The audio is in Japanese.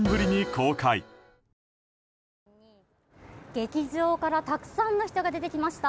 劇場からたくさんの人が出てきました。